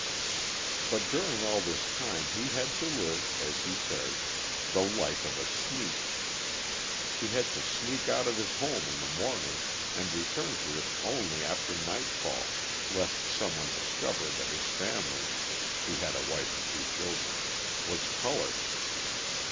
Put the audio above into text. But during all this time he had to live, as he says, "the life of a sneak." He had to sneak out of his home in the morning and return to it only after nightfall, lest someone discover that his family (he has a wife and two children) was coloured.